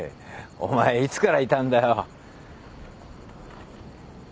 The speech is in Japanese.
お前いつからいたんだよ。